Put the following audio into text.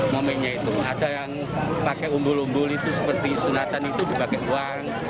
momennya itu ada yang pakai umbul umbul itu seperti sunatan itu dipakai uang